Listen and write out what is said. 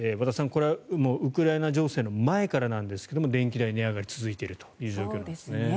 これはウクライナ情勢の前からなんですが電気代の値上がりが続いているという状況ですね。